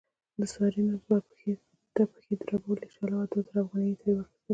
سارې نن پلار ته پښې دربولې، شله وه دوه زره افغانۍ یې ترې واخستلې.